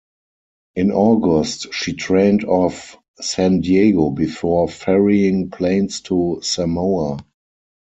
In August, she trained off San Diego before ferrying planes to Samoa.